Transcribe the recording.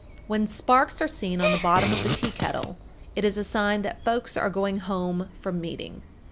When sparks are seen on the bottom of the tea kettle, it is a sign that folks are going home from meeting.